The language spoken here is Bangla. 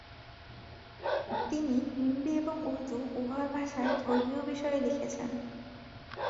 তিনি হিন্দী এবং উর্দু উভয় ভাষায় ধর্মীয় বিষয়ে লিখেছেন।